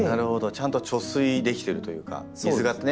ちゃんと貯水できてるというか水がね。